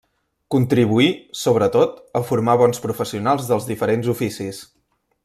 Contribuí, sobretot, a formar bons professionals dels diferents oficis.